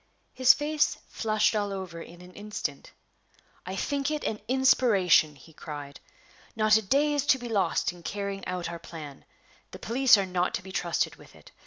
His face flushed all over in an instant. "I think it an inspiration!" he cried. "Not a day is to be lost in carrying out our plan. The police are not to be trusted with it.